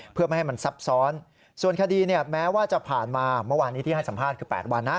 เพื่อไม่ให้มันซับซ้อนส่วนคดีเนี่ยแม้ว่าจะผ่านมาเมื่อวานนี้ที่ให้สัมภาษณ์คือ๘วันนะ